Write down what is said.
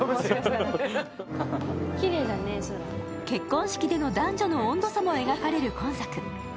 結婚式での男女の温度差も描かれる今作。